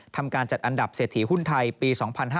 ทำการจัดอันดับเศรษฐีหุ้นไทยปี๒๕๕๙